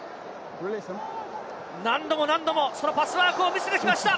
何度も何度もそのパスワークを見せてきました。